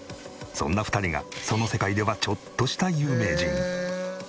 そんな２人がその世界ではちょっとした有名人。